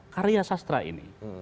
karya sastra ini